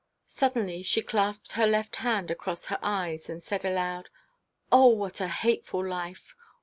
Suddenly she clasped her left hand across her eyes, and said aloud 'Oh, what a hateful life!